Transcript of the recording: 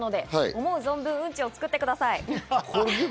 思う存分、うんちを作ってください。